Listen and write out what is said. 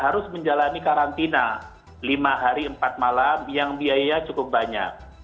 harus menjalani karantina lima hari empat malam yang biaya cukup banyak